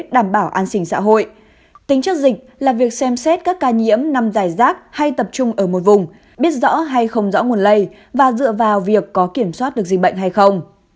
đảm bảo an sinh xã hội tính chất dịch là việc xem xét các ca nhiễm nằm dài rác hay tập trung ở một vùng biết rõ hay không rõ nguồn lây và dựa vào việc có kiểm soát được dịch bệnh hay không